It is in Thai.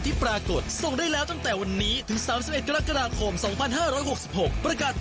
ไปไปฟังกติกาค่ะ